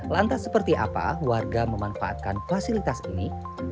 lantas seperti apa warga memanfaatkan fasilitas ini